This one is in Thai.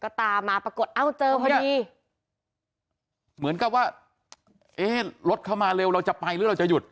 ก็ตามมาปรากฏเอ้าเจอพอดีเหมือนกับว่าเอ๊ะรถเข้ามาเร็วเราจะไปหรือเราจะหยุด